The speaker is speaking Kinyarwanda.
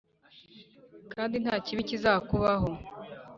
Kandi nta kibi kizakuzaho